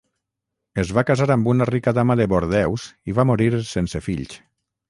Es va casar amb una rica dama de Bordeus i va morir sense fills.